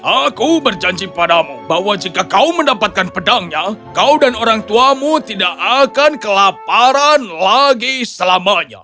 aku berjanji padamu bahwa jika kau mendapatkan pedangnya kau dan orang tuamu tidak akan kelaparan lagi selamanya